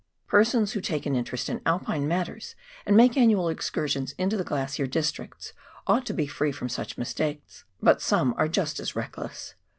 Persons who take an interest in Alpine matters, and make annual excursions into the glacier districts, ought to be free from such mistakes, but some are just as reckless.